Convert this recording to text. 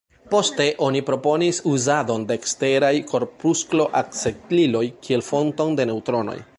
Poste oni proponis uzadon de eksteraj korpusklo-akceliloj kiel fonton de neŭtronoj.